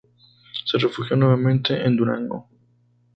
Se refugió nuevamente en Durango.